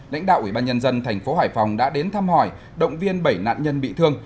lãnh đạo ủy ban nhân dân thành phố hải phòng đã đến thăm hỏi động viên bảy nạn nhân bị thương